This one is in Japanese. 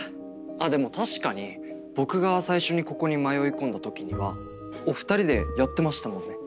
でも確かに僕が最初にここに迷い込んだ時にはお二人でやってましたもんね。